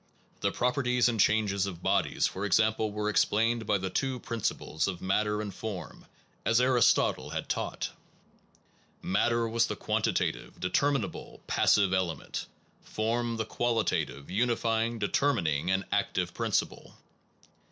The properties and changes of bodies, for example, were ex plained by the two principles of matter and form, as Aristotle had taught. Matter was the quantitative, determinable, passive element; form, the qualitative, unifying, determining, and active principle.